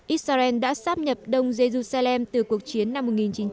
israel đã sáp nhập đông jerusalem từ cuộc chiến năm một nghìn chín trăm sáu mươi bảy